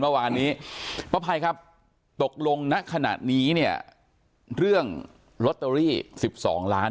เมื่อวานนี้ป้าไพครับตกลงณขนาดนี้เนี่ยเรื่องรอตรี๑๒ล้าน